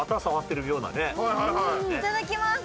いただきます！